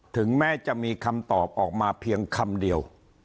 ถึงแม้จะมีคำตอบออกมาเพียงคำเดียว